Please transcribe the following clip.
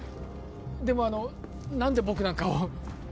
でもあの何で僕なんかを？